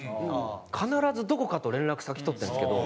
必ずどこかと連絡先取ってるんですけど。